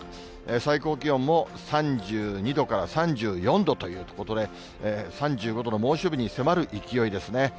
最高気温も３２度から３４度ということで、３５度の猛暑日に迫る勢いですね。